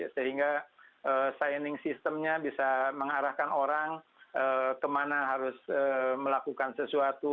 sehingga signing systemnya bisa mengarahkan orang kemana harus melakukan sesuatu